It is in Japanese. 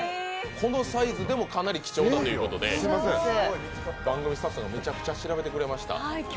このサイズでも、かなり貴重だということで番組スタッフがめちゃめちゃ調べてくれました。